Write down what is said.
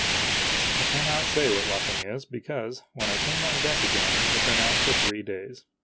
I cannot say what luffing is, because, when I came on deck again, we had been out for three days.